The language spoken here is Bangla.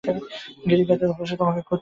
গিড়িখাতের ওপাশে তোমাকে খুঁজছে।